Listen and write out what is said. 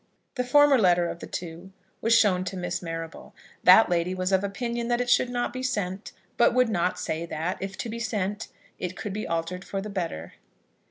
The former letter of the two was shown to Miss Marrable. That lady was of opinion that it should not be sent; but would not say that, if to be sent, it could be altered for the better.